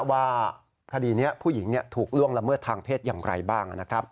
ว่าคดีนี้ผู้หญิงถูกล่วงละเมิดทางเพศอย่างไรบ้าง